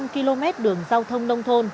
sáu mươi năm km đường giao thông nông thôn